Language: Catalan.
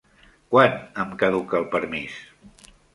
Quan em caduca el permís?